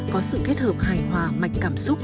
có sự kết hợp hài hòa mạch cảm xúc